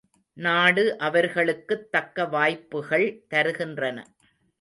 நாடு அவர்களுக்குத் தக்க வாய்ப்புகள் தருகின்றன.